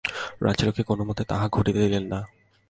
রাজলক্ষ্মী কোনোমতেই তাহা ঘটিতে দিলেন না।